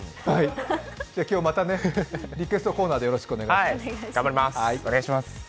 今日、またね、リクエストコーナーでお願いします。